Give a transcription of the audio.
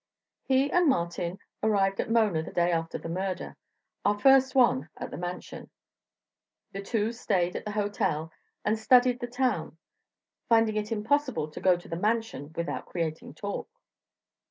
He and Martin arrived at Mona the day after the murder our first one at the Mansion. The two stayed at the hotel and studied the town, finding it impossible to go to the Mansion without creating talk.